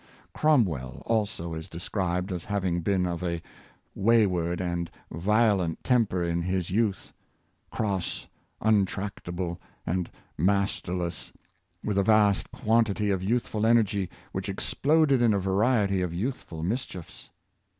Cromwell also is described as having been of a way ward and violent temper in his youth — cross, untracta ble and masterless, with a vast quantity of youthful energy, which exploded in a variety of youthful mis chiefs.